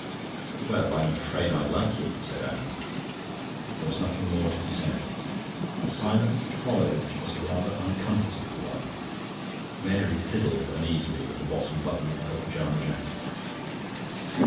"Well, I'm afraid I like it," said Anne. There was nothing more to be said. The silence that followed was a rather uncomfortable one. Mary fiddled uneasily with the bottom button of her pyjama jacket.